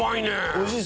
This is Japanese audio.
おいしい。